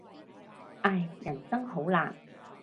唉，人生好難。